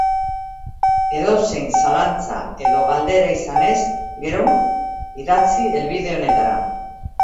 Edozein zalantza edo galdera izanez gero, idatzi helbide honetara.